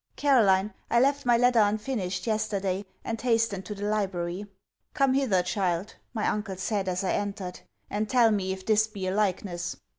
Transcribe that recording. Caroline, I left my letter unfinished, yesterday; and hastened to the library. 'Come hither, child,' my uncle said as I entered; 'and tell me if this be a likeness.'